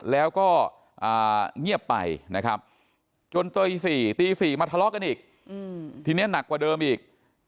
แล้วก็เงียบไปนะครับจนตี๔ตี๔มาทะเลาะกันอีกทีนี้หนักกว่าเดิมอีก